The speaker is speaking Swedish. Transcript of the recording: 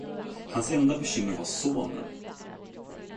Hans enda bekymmer var sonen.